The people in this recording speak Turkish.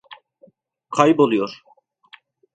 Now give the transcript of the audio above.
Kayboluyor.